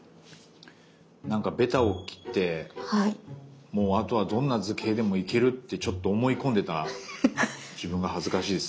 なんかベタを切ってもう後はどんな図形でもいけるってちょっと思い込んでた自分が恥ずかしいです。